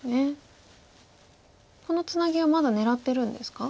このツナギはまだ狙ってるんですか？